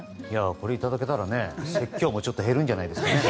これ、いただけたら説教も減るんじゃないですか。